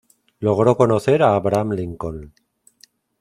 Logró conocer a Abraham Lincoln.